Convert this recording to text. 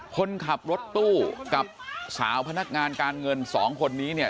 คนขับรถตู้กับสาวพนักงานการเงินสองคนนี้เนี่ย